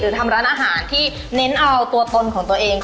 ทำร้านอาหารที่เน้นเอาตัวตนของตัวเอง